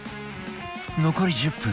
残り１０分